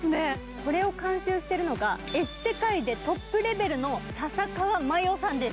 これを監修しているのがエステ界でトップレベルの笹川さんです。